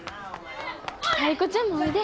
タイ子ちゃんもおいで。